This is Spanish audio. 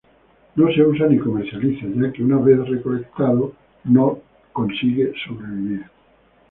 No se usa ni comercializa ya que una vez recolectada no logra sobrevivir.